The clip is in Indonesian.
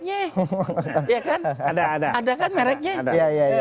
ada kan mereknya